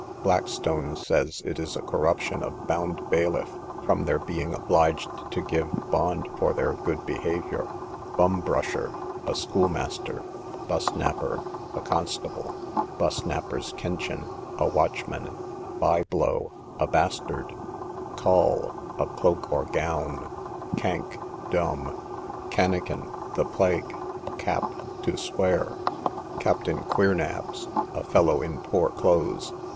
Blackstone says it is a corruption of bound bailiff, from their being obliged to give bond for their good behaviour. Bum brusher, a schoolmaster. Bus napper, a constable. Bus napper's kenchin, a watchman. Bye blow, a bastard. Calle, a cloak or gown. Cank, dumb. Canniken, the plague. Cap, to swear. Captain Queernabs, a fellow in poor clothes.